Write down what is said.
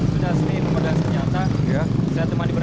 sudah sendiri memadai senjata ya saya teman diberi